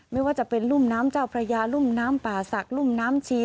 ไม่ว่าจะเป็นรุ่มน้ำเจ้าพระยารุ่มน้ำป่าศักดิรุ่มน้ำชี